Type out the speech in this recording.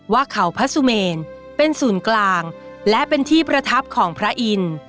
ว่าเขาพระสุเมนเป็นศูนย์กลางและเป็นที่ประทับของพระอินทร์